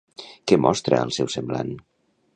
Què mostra al seu semblat?